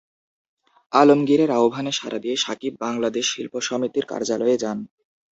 আলমগীরের আহ্বানে সাড়া দিয়ে শাকিব বাংলাদেশ শিল্পী সমিতির কার্যালয়ে যান।